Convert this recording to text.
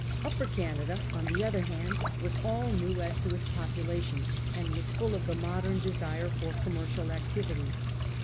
Upper Canada, on the other hand, was all new as to its population, and was full of the modern desire for commercial activity.